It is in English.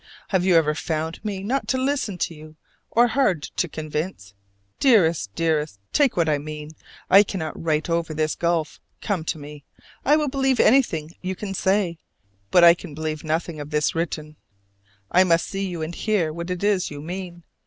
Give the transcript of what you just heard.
have you ever found me not listen to you, or hard to convince? Dearest, dearest! take what I mean: I cannot write over this gulf. Come to me, I will believe anything you can say, but I can believe nothing of this written. I must see you and hear what it is you mean.